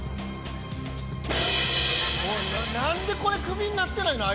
おいなんでこれクビになってないの？